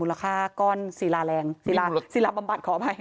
มูลค่าก้อนศีลาแรงศีลาบำบัดขออภัย